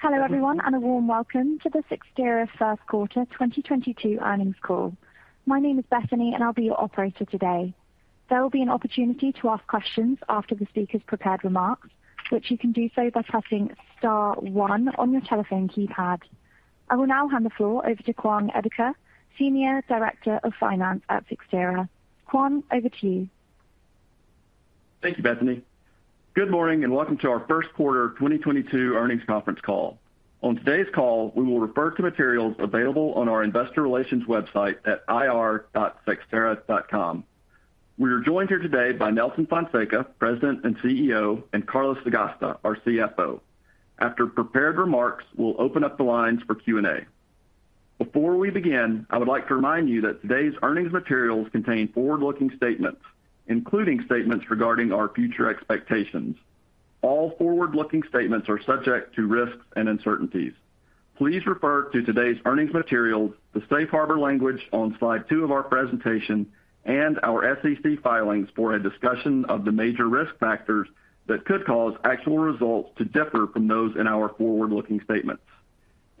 Hello everyone, and a warm welcome to the Cyxtera First Quarter 2022 Earnings Call. My name is Bethany, and I'll be your operator today. There will be an opportunity to ask questions after the speaker's prepared remarks, which you can do so by pressing star one on your telephone keypad. I will now hand the floor over to Kwang Edeker, Senior Director of Finance at Cyxtera. Kwang, over to you. Thank you, Bethany. Good morning, and welcome to our First Quarter 2022 Earnings Conference Call. On today's call, we will refer to materials available on our investor relations website at ir.cyxtera.com. We are joined here today by Nelson Fonseca, President and CEO, and Carlos Sagasta, our CFO. After prepared remarks, we'll open up the lines for Q&A. Before we begin, I would like to remind you that today's earnings materials contain forward-looking statements, including statements regarding our future expectations. All forward-looking statements are subject to risks and uncertainties. Please refer to today's earnings materials, the safe harbor language on slide two of our presentation, and our SEC filings for a discussion of the major risk factors that could cause actual results to differ from those in our forward-looking statements.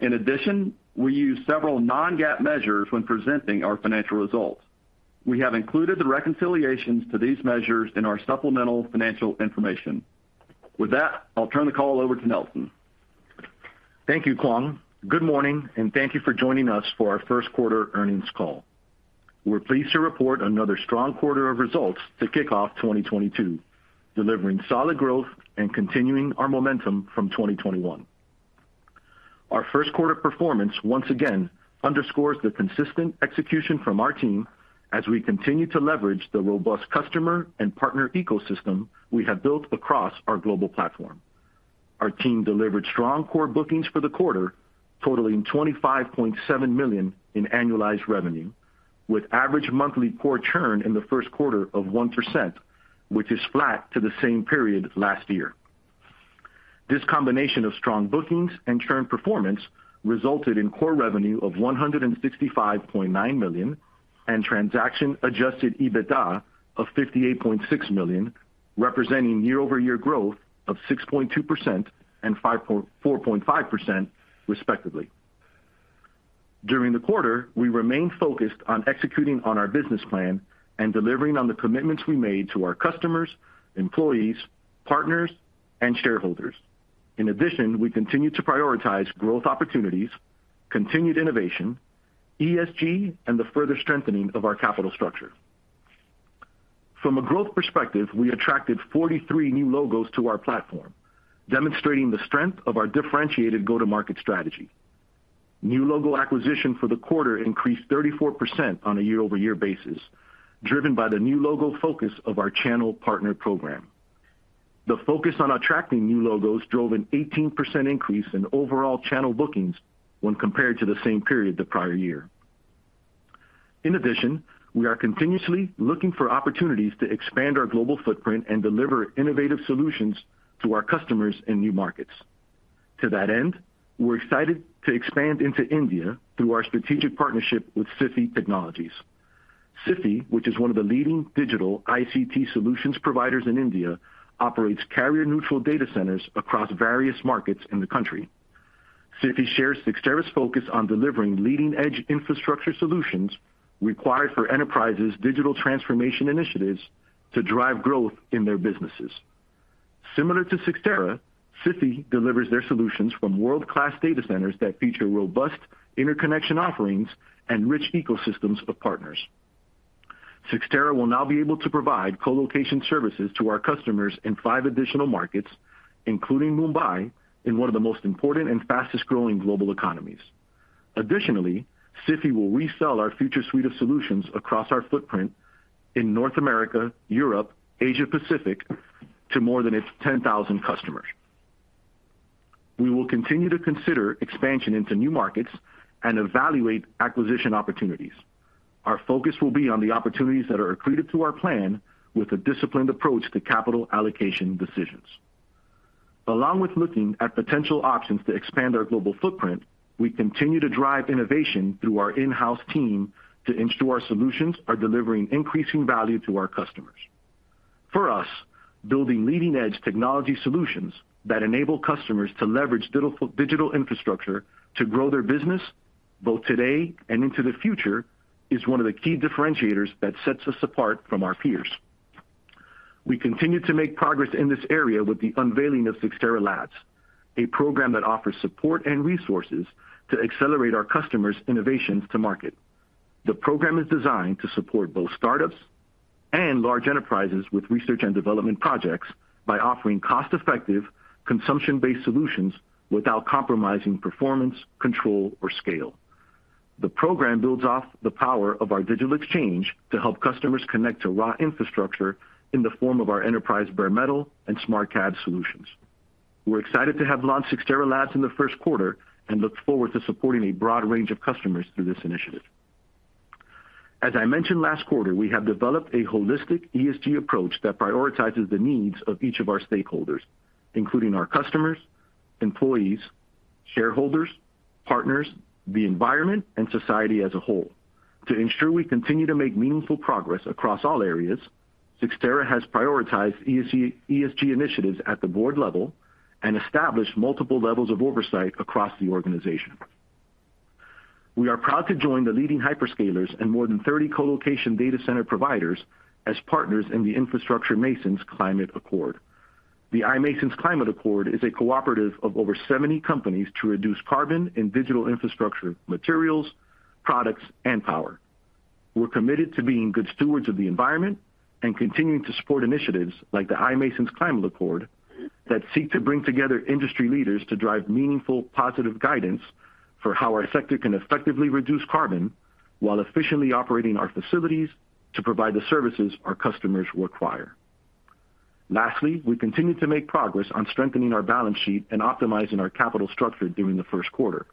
In addition, we use several non-GAAP measures when presenting our financial results. We have included the reconciliations to these measures in our supplemental financial information. With that, I'll turn the call over to Nelson. Thank you, Kwang. Good morning, and thank you for joining us for our First Quarter Earnings Call. We're pleased to report another strong quarter of results to kick off 2022, delivering solid growth and continuing our momentum from 2021. Our first quarter performance once again underscores the consistent execution from our team as we continue to leverage the robust customer and partner ecosystem we have built across our global platform. Our team delivered strong core bookings for the quarter, totaling $25.7 million in annualized revenue, with average monthly core churn in the first quarter of 1%, which is flat to the same period last year. This combination of strong bookings and churn performance resulted in core revenue of $165.9 million and transaction-adjusted EBITDA of $58.6 million, representing year-over-year growth of 6.2% and 4.5%, respectively. During the quarter, we remained focused on executing on our business plan and delivering on the commitments we made to our customers, employees, partners, and shareholders. In addition, we continued to prioritize growth opportunities, continued innovation, ESG, and the further strengthening of our capital structure. From a growth perspective, we attracted 43 new logos to our platform, demonstrating the strength of our differentiated go-to-market strategy. New logo acquisition for the quarter increased 34% on a year-over-year basis, driven by the new logo focus of our channel partner program. The focus on attracting new logos drove an 18% increase in overall channel bookings when compared to the same period the prior-year. In addition, we are continuously looking for opportunities to expand our global footprint and deliver innovative solutions to our customers in new markets. To that end, we're excited to expand into India through our strategic partnership with Sify Technologies. Sify, which is one of the leading digital ICT solutions providers in India, operates carrier-neutral data centers across various markets in the country. Sify shares Cyxtera's focus on delivering leading-edge infrastructure solutions required for enterprises' digital transformation initiatives to drive growth in their businesses. Similar to Cyxtera, Sify delivers their solutions from world-class data centers that feature robust interconnection offerings and rich ecosystems of partners. Cyxtera will now be able to provide colocation services to our customers in five additional markets, including Mumbai, in one of the most important and fastest-growing global economies. Additionally, Sify will resell our future suite of solutions across our footprint in North America, Europe, Asia Pacific to more than its 10,000 customers. We will continue to consider expansion into new markets and evaluate acquisition opportunities. Our focus will be on the opportunities that are accretive to our plan with a disciplined approach to capital allocation decisions. Along with looking at potential options to expand our global footprint, we continue to drive innovation through our in-house team to ensure our solutions are delivering increasing value to our customers. For us, building leading-edge technology solutions that enable customers to leverage digital infrastructure to grow their business both today and into the future is one of the key differentiators that sets us apart from our peers. We continue to make progress in this area with the unveiling of Cyxtera Labs, a program that offers support and resources to accelerate our customers' innovations to market. The program is designed to support both startups and large enterprises with research and development projects by offering cost-effective, consumption-based solutions without compromising performance, control, or scale. The program builds off the power of our Digital Exchange to help customers connect to raw infrastructure in the form of our Enterprise Bare Metal and SmartCabs solutions. We're excited to have launched Cyxtera Labs in the first quarter and look forward to supporting a broad range of customers through this initiative. As I mentioned last quarter, we have developed a holistic ESG approach that prioritizes the needs of each of our stakeholders, including our customers, employees, shareholders, partners, the environment, and society as a whole. To ensure we continue to make meaningful progress across all areas, Cyxtera has prioritized ESG initiatives at the board level and established multiple levels of oversight across the organization. We are proud to join the leading hyperscaler's and more than 30 colocation data center providers as partners in the Infrastructure Masons Climate Accord. The iMasons Climate Accord is a cooperative of over 70 companies to reduce carbon and digital infrastructure materials, products, and power. We're committed to being good stewards of the environment and continuing to support initiatives like the iMasons Climate Accord that seek to bring together industry leaders to drive meaningful positive guidance for how our sector can effectively reduce carbon while efficiently operating our facilities to provide the services our customers require. Lastly, we continue to make progress on strengthening our balance sheet and optimizing our capital structure during the first quarter.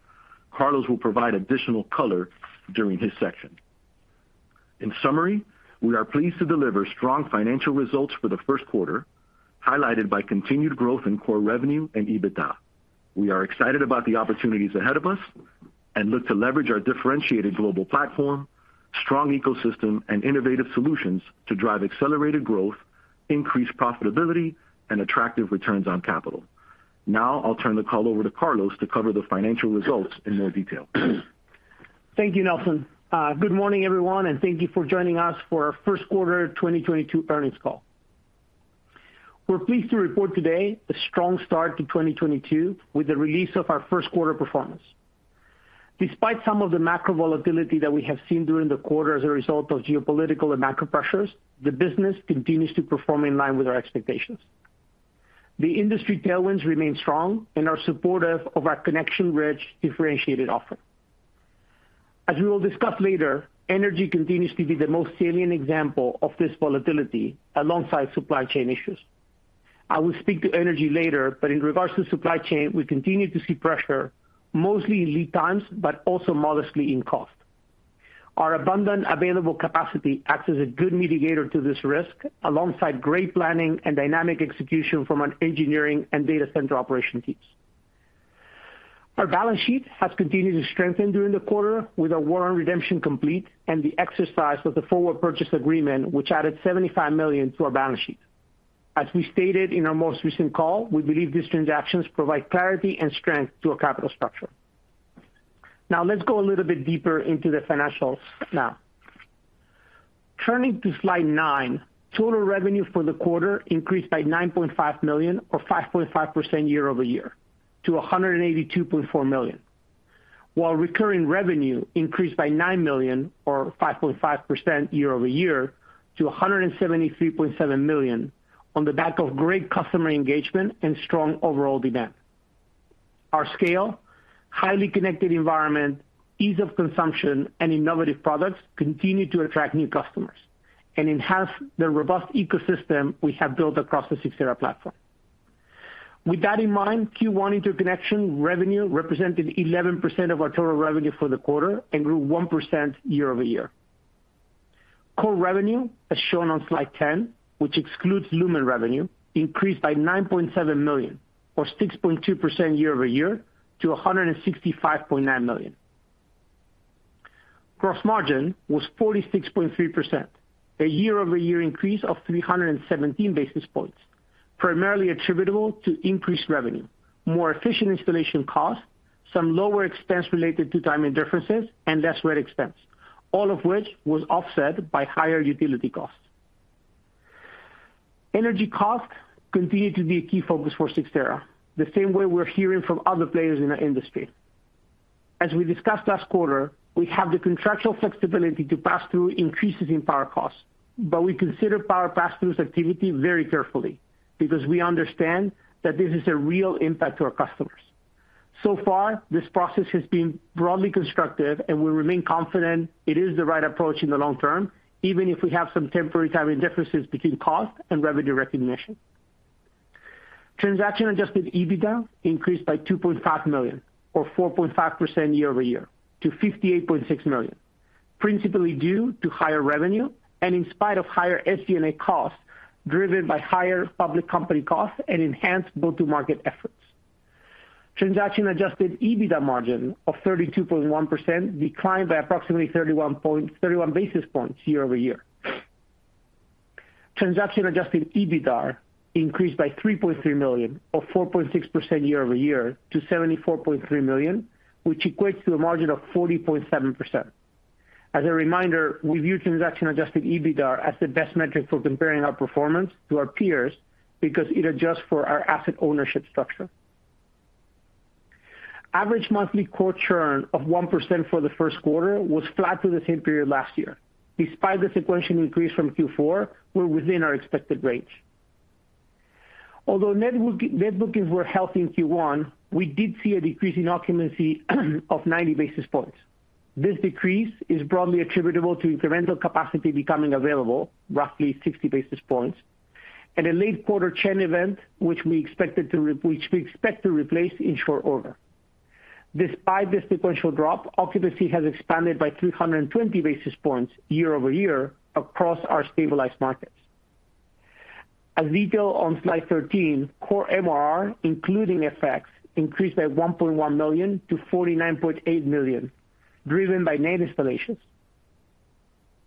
Carlos will provide additional color during his section. In summary, we are pleased to deliver strong financial results for the first quarter, highlighted by continued growth in core revenue and EBITDA. We are excited about the opportunities ahead of us and look to leverage our differentiated global platform, strong ecosystem, and innovative solutions to drive accelerated growth, increase profitability, and attractive returns on capital. Now, I'll turn the call over to Carlos to cover the financial results in more detail. Thank you, Nelson. Good morning, everyone, and thank you for joining us for our First Quarter 2022 Earnings Call. We're pleased to report today a strong start to 2022 with the release of our first quarter performance. Despite some of the macro volatility that we have seen during the quarter as a result of geopolitical and macro pressures, the business continues to perform in line with our expectations. The industry tailwinds remain strong and are supportive of our connection-rich differentiated offering. As we will discuss later, energy continues to be the most salient example of this volatility alongside supply chain issues. I will speak to energy later, but in regards to supply chain, we continue to see pressure mostly in lead times, but also modestly in cost. Our abundant available capacity acts as a good mitigator to this risk alongside great planning and dynamic execution from an engineering and data center operation teams. Our balance sheet has continued to strengthen during the quarter with our warrant redemption complete and the exercise of the forward purchase agreement, which added $75 million to our balance sheet. As we stated in our most recent call, we believe these transactions provide clarity and strength to our capital structure. Now, let's go a little bit deeper into the financials now. Turning to slide nine, total revenue for the quarter increased by $9.5 million or 5.5% year-over-year to $182.4 million. While recurring revenue increased by $9 million or 5.5% year-over-year to $173.7 million on the back of great customer engagement and strong overall demand. Our scale, highly connected environment, ease of consumption, and innovative products continue to attract new customers and enhance the robust ecosystem we have built across the Cyxtera platform. With that in mind, Q1 interconnection revenue represented 11% of our total revenue for the quarter and grew 1% year-over-year. Core revenue, as shown on slide 10, which excludes Lumen revenue, increased by $9.7 million or 6.2% year-over-year to $165.9 million. Gross margin was 46.3%, a year-over-year increase of 317 basis points, primarily attributable to increased revenue, more efficient installation costs, some lower expense related to timing differences, and less rent expense, all of which was offset by higher utility costs. Energy costs continue to be a key focus for Cyxtera, the same way we're hearing from other players in our industry. As we discussed last quarter, we have the contractual flexibility to pass through increases in power costs, but we consider power pass-throughs activity very carefully because we understand that this is a real impact to our customers. So far, this process has been broadly constructive, and we remain confident it is the right approach in the long term, even if we have some temporary timing differences between cost and revenue recognition. Transaction-adjusted EBITDA increased by $2.5 million or 4.5% year-over-year to $58.6 million, principally due to higher revenue and in spite of higher SG&A costs driven by higher public company costs and enhanced go-to-market efforts. Transaction-adjusted EBITDA margin of 32.1% declined by approximately 31 basis points year-over-year. Transaction-adjusted EBITDAR increased by $3.3 million or 4.6% year-over-year to $74.3 million, which equates to a margin of 40.7%. As a reminder, we view transaction-adjusted EBITDAR as the best metric for comparing our performance to our peers because it adjusts for our asset ownership structure. Average monthly core churn of 1% for the first quarter was flat to the same period last year. Despite the sequential increase from Q4, we're within our expected range. Although net book-to-net bookings were healthy in Q1, we did see a decrease in occupancy of 90 basis points. This decrease is broadly attributable to incremental capacity becoming available, roughly 60 basis points, and a late quarter churn event which we expect to replace in short order. Despite the sequential drop, occupancy has expanded by 320 basis points year-over-year across our stabilized markets. As detailed on slide 13, core MRR, including effects, increased by $1.1 million to $49.8 million, driven by net installations.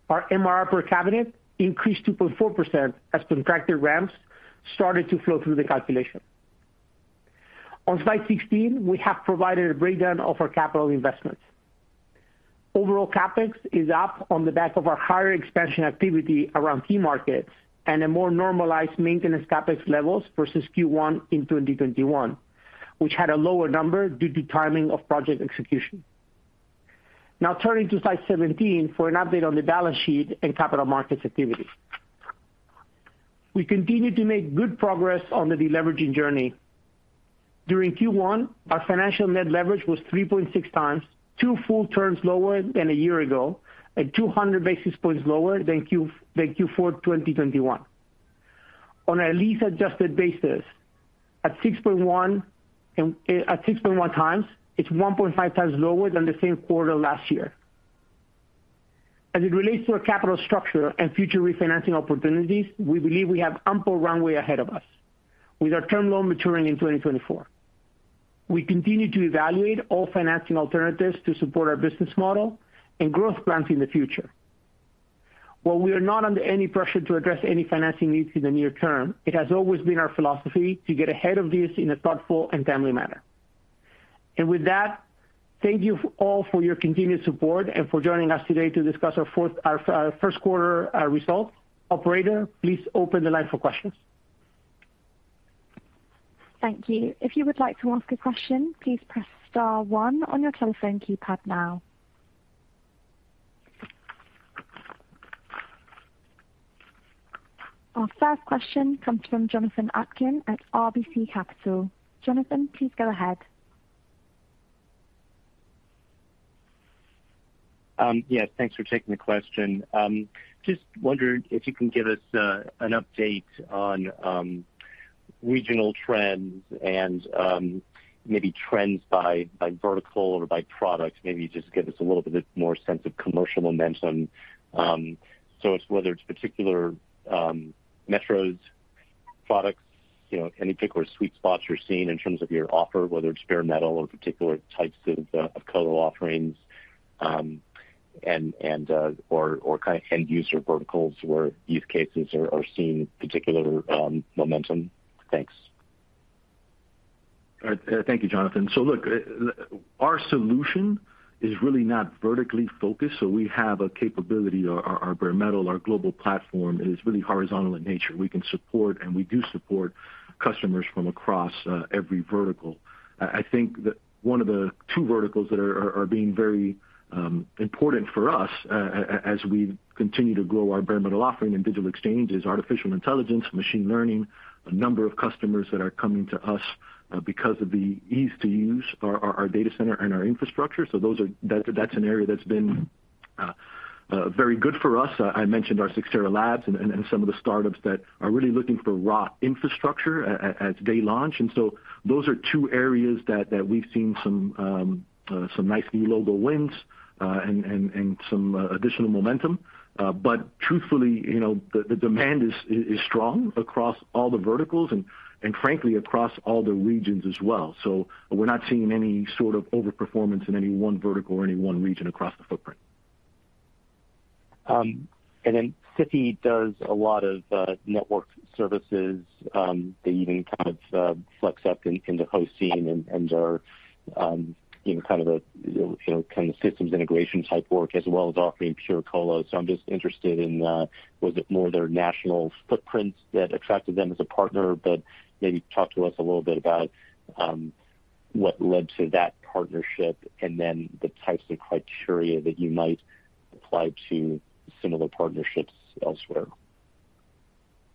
Our MRR per cabinet increased 2.4% as contracted ramps started to flow through the calculation. On slide 16, we have provided a breakdown of our capital investments. Overall CapEx is up on the back of our higher expansion activity around key markets and a more normalized maintenance CapEx levels versus Q1 in 2021, which had a lower number due to timing of project execution. Now turning to slide 17 for an update on the balance sheet and capital markets activity. We continue to make good progress on the deleveraging journey. During Q1, our financial net leverage was 3.6x, two full turns lower than a year ago, at 200 basis points lower than Q4 2021. On a lease-adjusted basis at 6.1x, it's 1.5x lower than the same quarter last year. As it relates to our capital structure and future refinancing opportunities, we believe we have ample runway ahead of us with our term loan maturing in 2024. We continue to evaluate all financing alternatives to support our business model and growth plans in the future. While we are not under any pressure to address any financing needs in the near term, it has always been our philosophy to get ahead of this in a thoughtful and timely manner. With that, thank you all for your continued support and for joining us today to discuss our first quarter results. Operator, please open the line for questions. Thank you. If you would like to ask a question, please press star one on your telephone keypad now. Our first question comes from Jonathan Atkin at RBC Capital. Jonathan, please go ahead. Yes, thanks for taking the question. Just wondered if you can give us an update on regional trends and maybe trends by vertical or by product. Maybe just give us a little bit more sense of commercial momentum. It's whether it's particular metros, products, you know, any particular sweet spots you're seeing in terms of your offer, whether it's bare metal or particular types of [colo] offerings, and or kind of end user verticals where use cases are seeing particular momentum. Thanks. All right. Thank you, Jonathan. Look, our solution is really not vertically focused. We have a capability, our bare metal, our global platform is really horizontal in nature. We can support, and we do support customers from across every vertical. I think that one of the two verticals that are being very important for us, as we continue to grow our bare metal offering and Digital Exchange is artificial intelligence, machine learning. A number of customers that are coming to us because of the ease of use our data center and our infrastructure. That's an area that's been very good for us. I mentioned our Cyxtera Labs and some of the startups that are really looking for raw infrastructure as they launch. Those are two areas that we've seen some nice new logo wins and some additional momentum. Truthfully, you know, the demand is strong across all the verticals and frankly, across all the regions as well. We're not seeing any sort of overperformance in any one vertical or any one region across the footprint. Sify does a lot of network services. They even kind of flex up in the hosting and their you know kind of a you know kind of systems integration type work as well as offering pure [colo]. I'm just interested in was it more their national footprints that attracted them as a partner? Maybe talk to us a little bit about what led to that partnership and then the types of criteria that you might apply to similar partnerships elsewhere.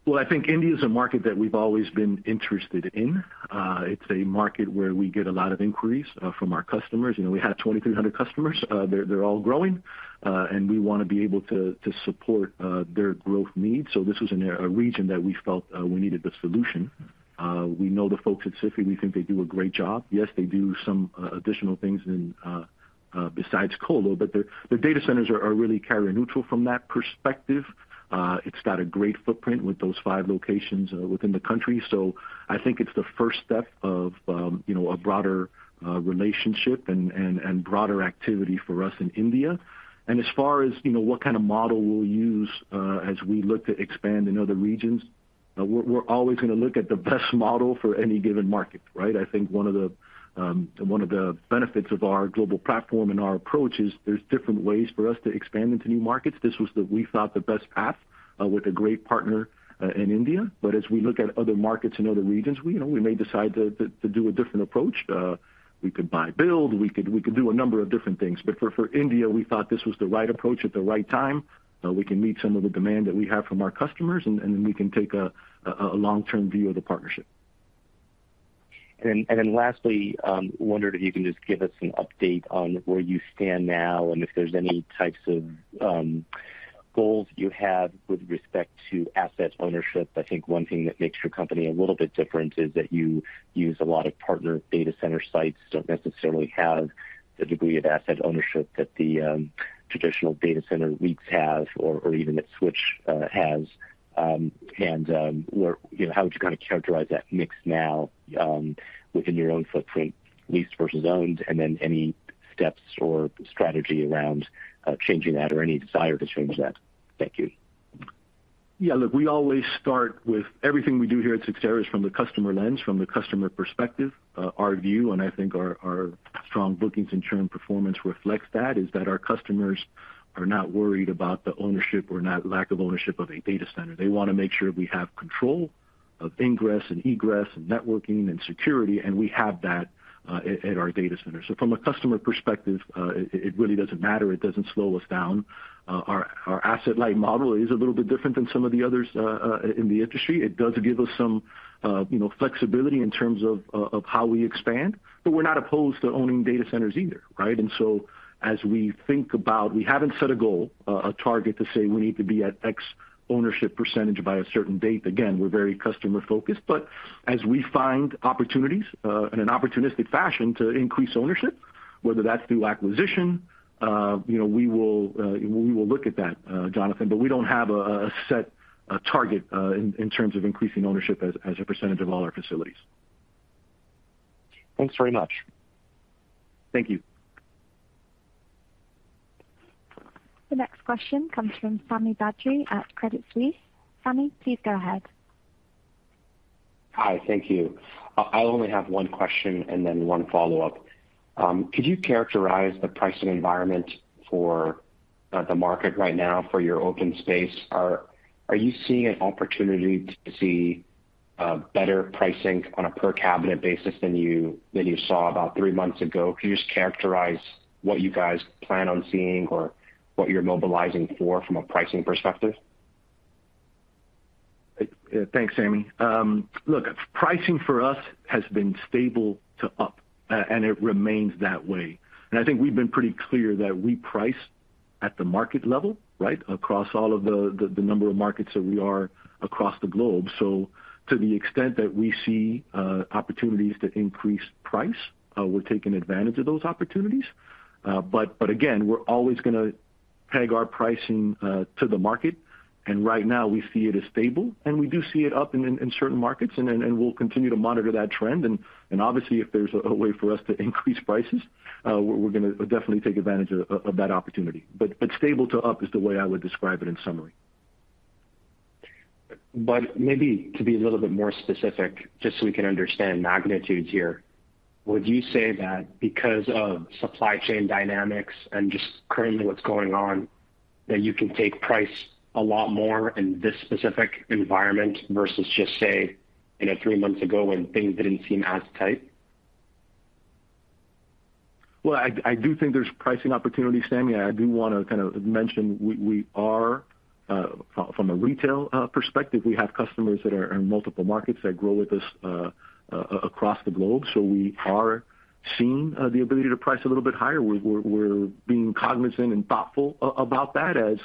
Well, I think India is a market that we've always been interested in. It's a market where we get a lot of inquiries from our customers. You know, we have 2,300 customers. They're all growing, and we want to be able to support their growth needs. This was in a region that we felt we needed the solution. We know the folks at Sify. We think they do a great job. Yes, they do some additional things besides colo, but their data centers are really carrier neutral from that perspective. It's got a great footprint with those five locations within the country. I think it's the first step of, you know, a broader relationship and broader activity for us in India. As far as, you know, what kind of model we'll use as we look to expand in other regions, we're always going to look at the best model for any given market, right? I think one of the benefits of our global platform and our approach is there's different ways for us to expand into new markets. We thought the best path with a great partner in India. As we look at other markets in other regions, you know, we may decide to do a different approach. We could buy or build, we could do a number of different things. For India, we thought this was the right approach at the right time. We can meet some of the demand that we have from our customers, and then we can take a long-term view of the partnership. Then lastly, wondered if you can just give us an update on where you stand now and if there's any types of goals you have with respect to asset ownership. I think one thing that makes your company a little bit different is that you use a lot of partner data center sites, don't necessarily have the degree of asset ownership that the traditional data center REITs have or even that Switch has. How would you kind of characterize that mix now within your own footprint, leased versus owned, and then any steps or strategy around changing that or any desire to change that? Thank you. Yeah, look, we always start with everything we do here at Cyxtera is from the customer lens, from the customer perspective. Our view, and I think our strong bookings and turn performance reflects that, is that our customers are not worried about the ownership or not lack of ownership of a data center. They wanna make sure we have control of ingress and egress and networking and security, and we have that at our data center. From a customer perspective, it really doesn't matter. It doesn't slow us down. Our asset light model is a little bit different than some of the others in the industry. It does give us some, you know, flexibility in terms of how we expand, but we're not opposed to owning data centers either, right? As we think about, we haven't set a goal, a target to say we need to be at X ownership percentage by a certain date. Again, we're very customer-focused, but as we find opportunities in an opportunistic fashion to increase ownership, whether that's through acquisition, you know, we will look at that, Jonathan, but we don't have a set target in terms of increasing ownership as a percentage of all our facilities. Thanks very much. Thank you. The next question comes from Sami Badri at Credit Suisse. Sami, please go ahead. Hi. Thank you. I only have one question and then one follow-up. Could you characterize the pricing environment for the market right now for your open space? Are you seeing an opportunity to see better pricing on a per cabinet basis than you saw about three months ago? Could you just characterize what you guys plan on seeing or what you're mobilizing for from a pricing perspective? Thanks, Sami. Look, pricing for us has been stable to up, and it remains that way. I think we've been pretty clear that we price at the market level, right? Across all of the number of markets that we are across the globe. To the extent that we see opportunities to increase price, we're taking advantage of those opportunities. Again, we're always gonna peg our pricing to the market, and right now we see it as stable, and we do see it up in certain markets and we'll continue to monitor that trend. Obviously, if there's a way for us to increase prices, we're gonna definitely take advantage of that opportunity. Stable to up is the way I would describe it in summary. Maybe to be a little bit more specific, just so we can understand magnitudes here, would you say that because of supply chain dynamics and just currently what's going on, that you can take price a lot more in this specific environment versus just, say, you know, three months ago when things didn't seem as tight? Well, I do think there's pricing opportunities, Sami. I do wanna kind of mention we are from a retail perspective, we have customers that are in multiple markets that grow with us across the globe, so we are seeing the ability to price a little bit higher. We're being cognizant and thoughtful about that as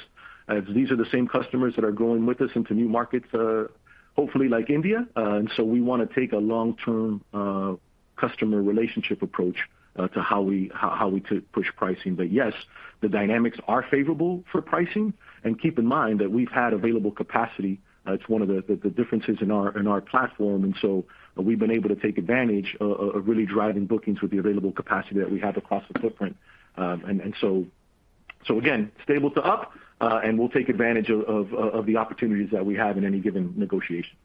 these are the same customers that are growing with us into new markets, hopefully like India. We wanna take a long-term customer relationship approach to how we could push pricing. But yes, the dynamics are favorable for pricing. Keep in mind that we've had available capacity. It's one of the differences in our platform. We've been able to take advantage of really driving bookings with the available capacity that we have across the footprint. Again, stable to up. We'll take advantage of the opportunities that we have in any given negotiation.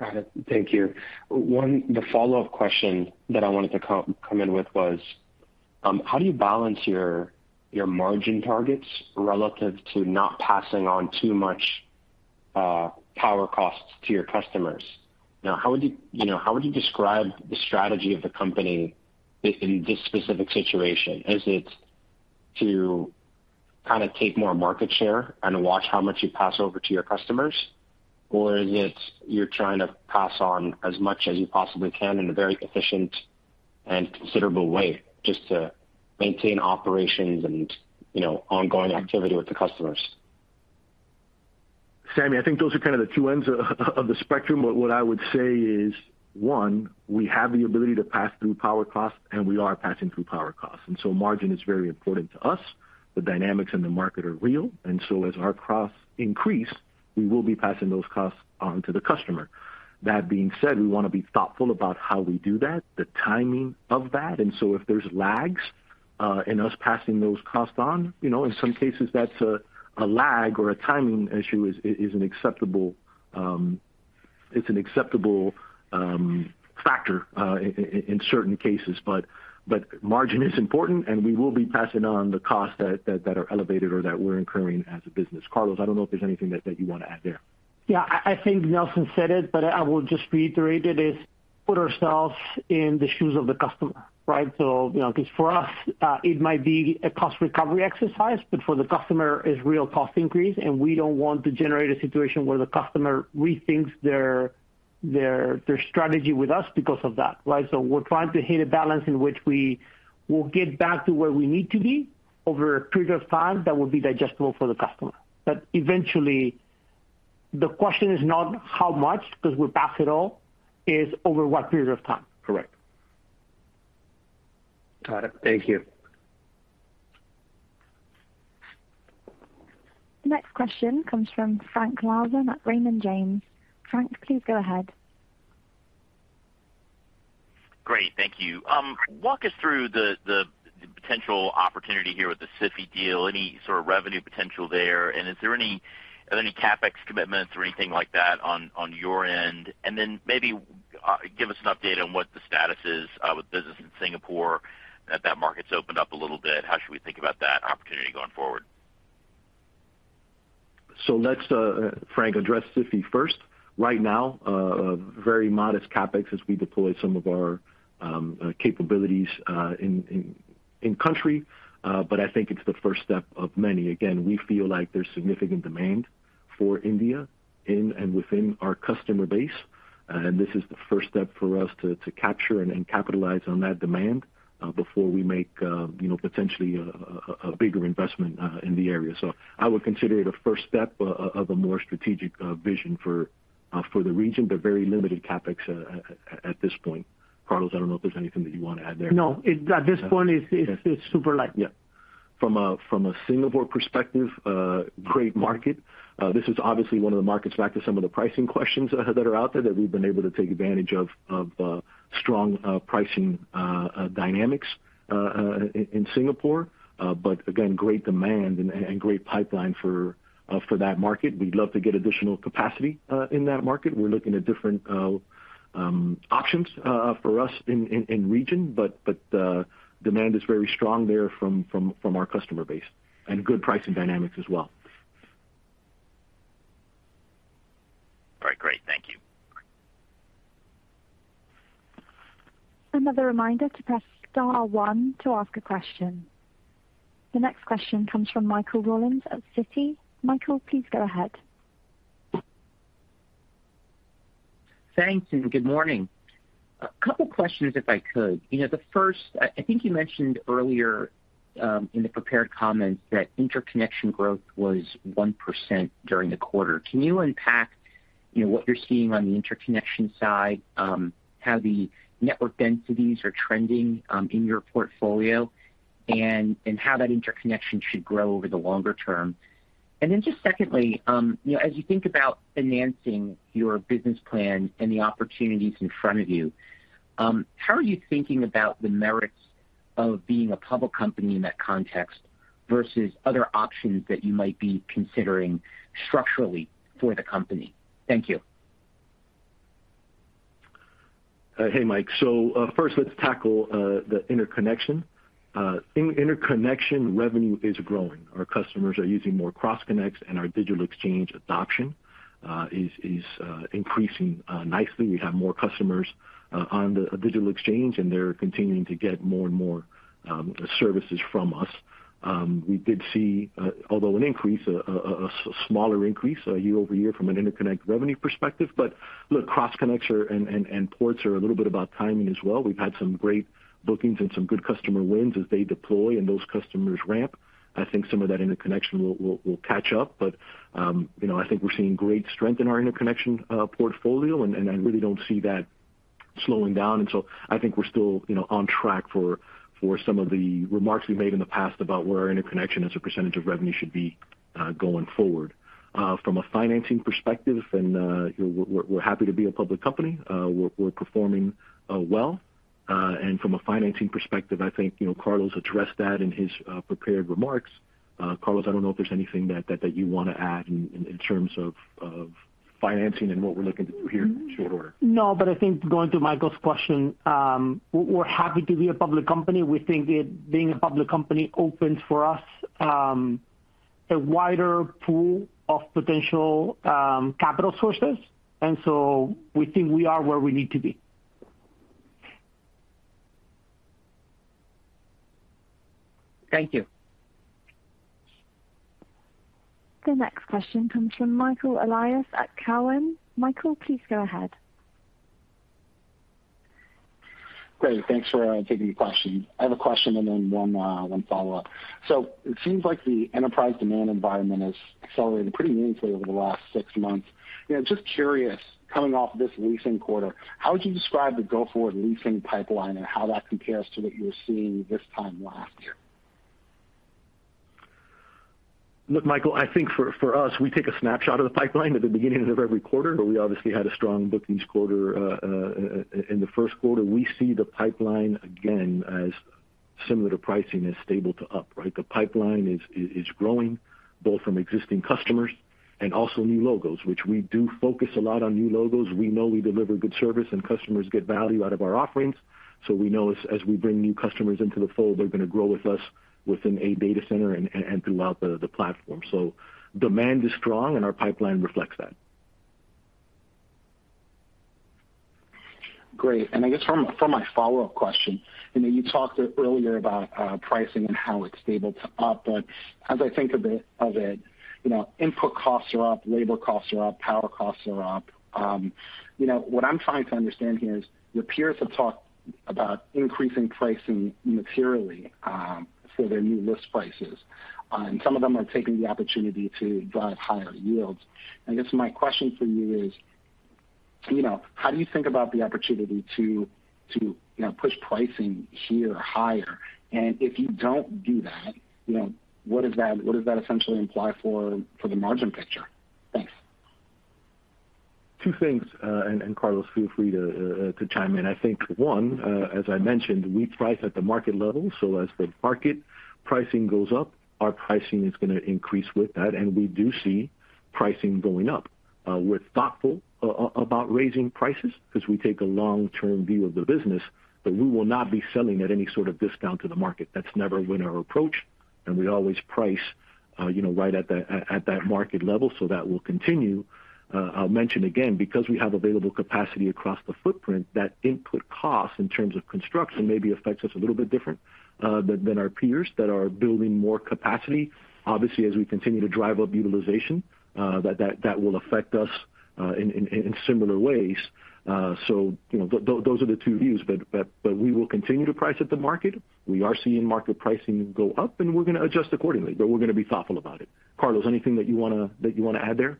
Got it. Thank you. One, the follow-up question that I wanted to come in with was, how do you balance your margin targets relative to not passing on too much power costs to your customers? Now, how would you know, how would you describe the strategy of the company in this specific situation? Is it to kind of take more market share and watch how much you pass over to your customers? Or is it you're trying to pass on as much as you possibly can in a very efficient and considerable way just to maintain operations and, you know, ongoing activity with the customers? Sami, I think those are kind of the two ends of the spectrum. What I would say is, one, we have the ability to pass through power costs, and we are passing through power costs, and so margin is very important to us. The dynamics in the market are real, and so as our costs increase, we will be passing those costs on to the customer. That being said, we wanna be thoughtful about how we do that, the timing of that, and so if there's lags in us passing those costs on, you know, in some cases, that's a lag or a timing issue is an acceptable factor in certain cases. Margin is important, and we will be passing on the costs that are elevated or that we're incurring as a business. Carlos, I don't know if there's anything that you wanna add there. I think Nelson said it, but I will just reiterate it, is put ourselves in the shoes of the customer, right? You know, cause for us, it might be a cost recovery exercise, but for the customer is real cost increase, and we don't want to generate a situation where the customer rethinks their, their strategy with us because of that, right? We're trying to hit a balance in which we will get back to where we need to be over a period of time that will be digestible for the customer. Eventually, the question is not how much, because we're past it all, is over what period of time. Correct. Got it. Thank you. The next question comes from Frank Louthan at Raymond James. Frank, please go ahead. Great. Thank you. Walk us through the potential opportunity here with the Sify deal. Any sort of revenue potential there, and is there any CapEx commitments or anything like that on your end? Then maybe give us an update on what the status is with business in Singapore now that that market's opened up a little bit. How should we think about that opportunity going forward? Let's, Frank, address Sify first. Right now, a very modest CapEx as we deploy some of our capabilities in country. But I think it's the first step of many. Again, we feel like there's significant demand for India in and within our customer base. This is the first step for us to capture and capitalize on that demand before we make, you know, potentially a bigger investment in the area. I would consider it a first step of a more strategic vision for the region, but very limited CapEx at this point. Carlos, I don't know if there's anything that you wanna add there. No. At this point, it's super light. Yeah. From a Singapore perspective, great market. This is obviously one of the markets back to some of the pricing questions that are out there that we've been able to take advantage of strong pricing dynamics in Singapore, but again, great demand and great pipeline for that market. We'd love to get additional capacity in that market. We're looking at different options for us in region, but demand is very strong there from our customer base and good pricing dynamics as well. All right. Great. Thank you. Another reminder to press star one to ask a question. The next question comes from Michael Rollins at Citi. Michael, please go ahead. Thanks, and good morning. A couple questions, if I could. You know, the first, I think you mentioned earlier, in the prepared comments that interconnection growth was 1% during the quarter. Can you unpack, you know, what you're seeing on the interconnection side, how the network densities are trending, in your portfolio and how that interconnection should grow over the longer term? Just secondly, you know, as you think about financing your business plan and the opportunities in front of you, how are you thinking about the merits of being a public company in that context versus other options that you might be considering structurally for the company? Thank you. Hey, Mike. So, first, let's tackle the interconnection. In interconnection, revenue is growing. Our customers are using more cross connects, and our Digital Exchange adoption is increasing nicely. We have more customers on the Digital Exchange, and they're continuing to get more and more services from us. We did see although an increase, a smaller increase year-over-year from an interconnect revenue perspective, but look, cross connects and ports are a little bit about timing as well. We've had some great bookings and some good customer wins as they deploy and those customers ramp. I think some of that interconnection will catch up. You know, I think we're seeing great strength in our interconnection portfolio. I really don't see that slowing down. I think we're still, you know, on track for some of the remarks we made in the past about where our interconnection as a percentage of revenue should be going forward. From a financing perspective then, you know, we're happy to be a public company. We're performing well. From a financing perspective, I think, you know, Carlos addressed that in his prepared remarks. Carlos, I don't know if there's anything that you wanna add in terms of financing and what we're looking to do here in short order. No, I think going to Michael's question, we're happy to be a public company. We think that being a public company opens for us a wider pool of potential capital sources, and so we think we are where we need to be. Thank you. The next question comes from Michael Elias at Cowen. Michael, please go ahead. Great. Thanks for taking the question. I have a question and then one follow-up. It seems like the enterprise demand environment has accelerated pretty meaningfully over the last six months. You know, just curious, coming off this leasing quarter, how would you describe the go-forward leasing pipeline and how that compares to what you were seeing this time last year? Look, Michael, I think for us, we take a snapshot of the pipeline at the beginning of every quarter, but we obviously had a strong bookings quarter in the first quarter. We see the pipeline again as similar to pricing as stable to up, right? The pipeline is growing both from existing customers and also new logos, which we do focus a lot on new logos. We know we deliver good service, and customers get value out of our offerings. We know as we bring new customers into the fold, they're gonna grow with us within a data center and throughout the platform. Demand is strong, and our pipeline reflects that. Great. I guess from my follow-up question, you know, you talked earlier about pricing and how it's stable to up, but as I think of it, you know, input costs are up, labor costs are up, power costs are up. You know, what I'm trying to understand here is your peers have talked about increasing pricing materially for their new list prices, and some of them are taking the opportunity to drive higher yields. I guess my question for you is, you know, how do you think about the opportunity to push pricing here higher? And if you don't do that, you know, what does that essentially imply for the margin picture? Thanks. Two things. And Carlos, feel free to chime in. I think one, as I mentioned, we price at the market level. As the market pricing goes up, our pricing is gonna increase with that, and we do see pricing going up. We're thoughtful about raising prices cause we take a long-term view of the business, but we will not be selling at any sort of discount to the market. That's never been our approach, and we always price, you know, right at that market level. That will continue. I'll mention again, because we have available capacity across the footprint, that input cost in terms of construction maybe affects us a little bit different than our peers that are building more capacity. Obviously, as we continue to drive up utilization, that will affect us in similar ways. You know, those are the two views, but we will continue to price at the market. We are seeing market pricing go up, and we're gonna adjust accordingly, but we're gonna be thoughtful about it. Carlos, anything that you wanna add there?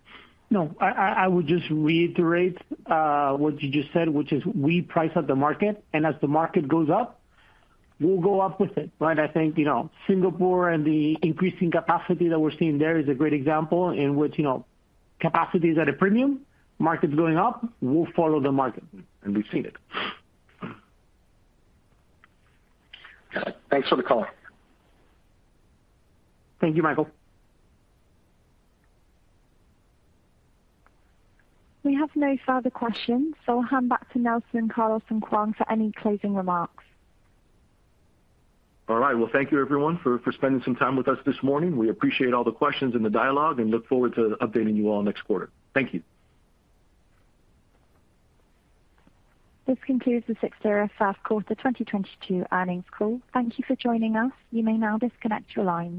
No. I would just reiterate what you just said, which is we price at the market, and as the market goes up, we'll go up with it, right? I think, you know, Singapore and the increasing capacity that we're seeing there is a great example in which, you know, capacity is at a premium, market's going up, we'll follow the market, and we've seen it. Got it. Thanks for the call. Thank you, Michael. We have no further questions, so I'll hand back to Nelson, Carlos and Kwang for any closing remarks. All right. Well, thank you everyone for spending some time with us this morning. We appreciate all the questions and the dialogue and look forward to updating you all next quarter. Thank you. This concludes the Cyxtera First Quarter 2022 Earnings Call. Thank you for joining us. You may now disconnect your lines.